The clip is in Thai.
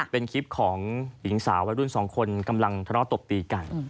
เป็นคลิปของหญิงสาววัยรุ่นสองคนกำลังทะเลาะตบตีกัน